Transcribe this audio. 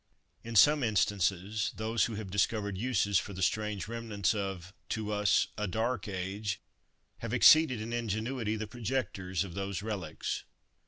In some instances, those who have discovered uses for the strange remnants of, to us, a dark age, have exceeded in ingenuity the projectors of those relics.